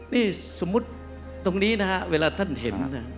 นี่สมมุติตรงนี้นะครับเวลาท่านเห็นนะครับ